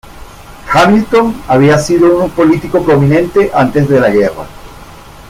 Hamilton había sido un político prominente antes de la guerra.